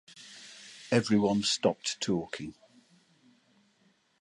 Everyone stopped talking.